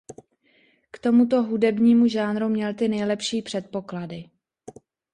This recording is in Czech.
K tomuto hudebnímu žánru měl ty nejlepší předpoklady.